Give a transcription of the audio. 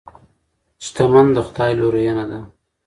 شتمني د خدای لورینه ده.